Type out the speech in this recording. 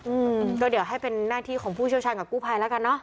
อืมก็เดี๋ยวให้เป็นหน้าที่ของผู้เชี่ยวชาญกับกู้ภัยแล้วกันเนอ